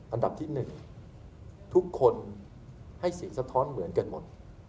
อันดับที่๑ทุกคนให้เสียงสะท้อนเหมือนกันหมด